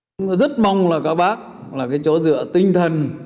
chúng ta rất mong là các bác là cái chỗ dựa tinh thần